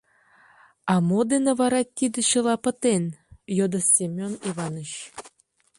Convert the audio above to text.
— А мо дене вара тиде чыла пытен? — йодо Семён Иваныч.